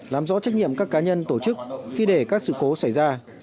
làm rõ trách nhiệm các cá nhân tổ chức khi để các sự cố xảy ra